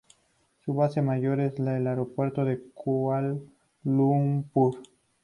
Su base mayor es el aeropuerto de Kuala Lumpur.